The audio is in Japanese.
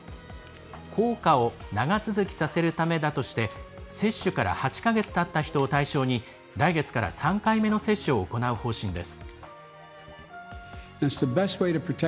効果を長続きさせるためだとして接種から８か月たった人を対象に来月から３回目の接種を行う方針です。